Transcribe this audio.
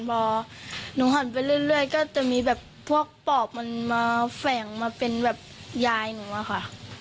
พอหนูหันไปเรื่อยก็จะมีแบบพวกปอบมันมาแฝงมาเป็นแบบยายหนูอะค่ะ